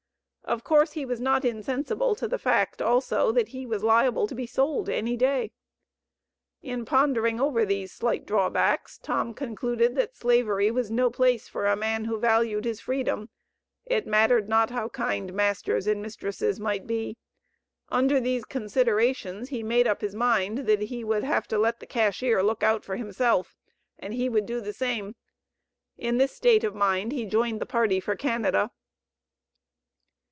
Of course he was not insensible to the fact also that he was liable to be sold any day. In pondering over these slight drawbacks, Tom concluded that Slavery was no place for a man who valued his freedom, it mattered not how kind masters or mistresses might be. Under these considerations he made up his mind that he would have to let the cashier look out for himself, and he would do the same. In this state of mind he joined the party for Canada.